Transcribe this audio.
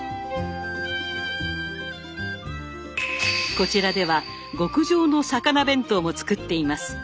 こちらでは極上の魚弁当も作っています。